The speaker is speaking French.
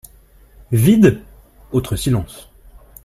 Vide ? Autre silence.